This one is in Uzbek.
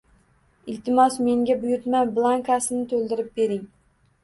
Iltimos, menga buyurtma blankasini to'ldirib bering.